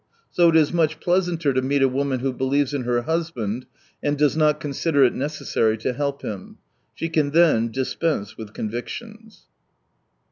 So it is much pleasanter to meet a woman who believes in her husband and does not consider it necessary to help him. She can then dispense with convictions.